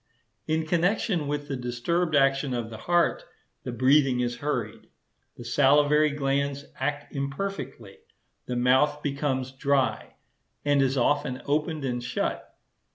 In connection with the disturbed action of the heart, the breathing is hurried. The salivary glands act imperfectly; the mouth becomes dry, and is often opened and shut.